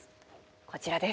こちらです。